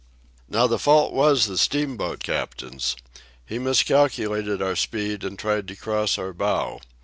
"Now the fault was the steamboat captain's. He miscalculated our speed and tried to cross our bow.